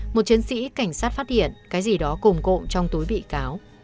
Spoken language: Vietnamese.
một chiến sĩ cảnh sát phát hiện cái gì đó cồm cộm trong túi bị cáo